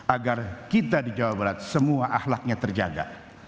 agar kita di jawa barat semua ahlaknya terjaga